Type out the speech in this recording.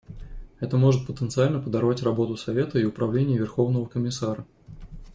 Это может потенциально подорвать работу Совета и Управления Верховного комиссара.